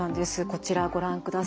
こちらご覧ください。